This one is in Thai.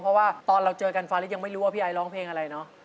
เพราะว่าตอนเราเจอกันฟาริสยังไม่รู้ว่าพี่ไอร้องเพลงอะไรเนาะ